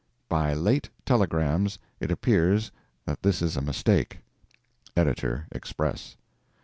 (By late telegrams it appears that this is a mistake. Editor Express.)